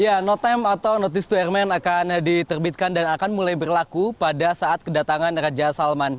ya note time atau notice to airmen akan diterbitkan dan akan mulai berlaku pada saat kedatangan raja salman